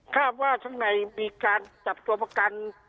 กล้ามว่าเช่นในมีการจับตัวมากัน